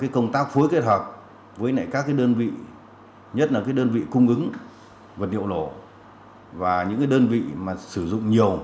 công tác phối kết hợp với các đơn vị nhất là đơn vị cung ứng vật liệu nổ và những đơn vị sử dụng nhiều